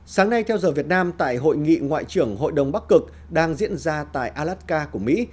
sáng nay theo giờ việt nam tại hội nghị ngoại trưởng hội đồng bắc cực đang diễn ra tại alaska của mỹ